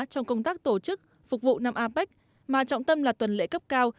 trong công tác tổ chức phục vụ năm apec mà trọng tâm là tuần lễ cấp cao